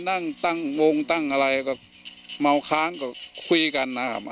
นั่งตั้งวงตั้งอะไรก็เมาค้างก็คุยกันนะครับ